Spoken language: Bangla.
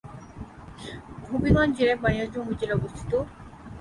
হবিগঞ্জ জেলা বানিয়াচং উপজেলা অবস্থিত।